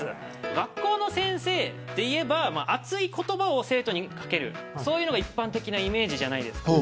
学校の先生といえば熱い言葉を生徒に掛けるそれが一般的なイメージじゃないですか。